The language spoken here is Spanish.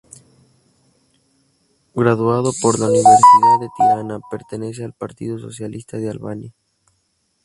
Graduado por la Universidad de Tirana, pertenece al Partido Socialista de Albania.